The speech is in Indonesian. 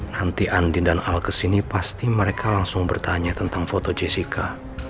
nanti andi dan al kesini pasti mereka langsung bertanya tentang foto jessica